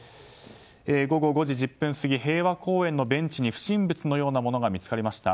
午後５時１０分過ぎ平和公園のベンチに不審物のようなものが見つかりました。